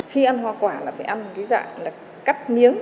khi ăn hoa quả là phải ăn một cái dạng là cắt miếng